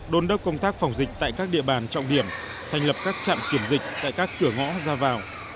đôn đốc công tác phòng dịch tại các địa bàn trọng điểm thành lập các trạm kiểm dịch tại các cửa ngõ ra vào